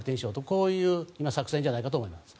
こういう作戦じゃないかと思います。